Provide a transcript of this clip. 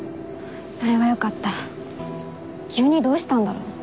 それはよかった急にどうしたんだろう。